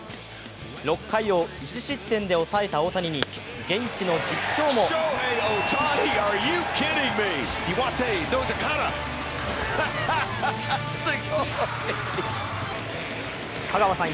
６回を１失点で抑えた大谷に現地の実況も香川さん